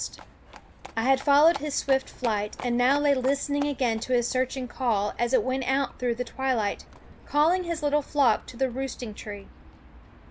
139 The Partridges* I had followed his swift flight, and now lay listen i n g a g ain to nis searching call as it went out through the twilight, calling his little flock to the roosting tree.